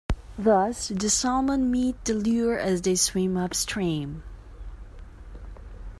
Thus, the salmon meet the lure as they swim upstream.